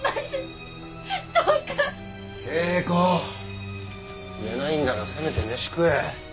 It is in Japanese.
圭子寝ないんならせめて飯食え。